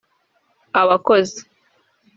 abakozi